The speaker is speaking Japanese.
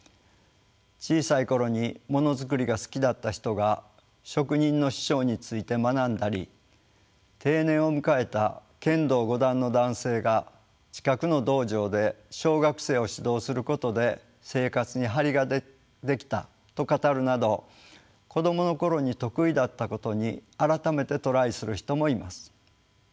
小さい頃にモノ作りが好きだった人が職人の師匠について学んだり定年を迎えた剣道五段の男性が近くの道場で小学生を指導することで生活に張りが出来たと語るなど子どもの頃に得意だったことに改めてトライする人もいます。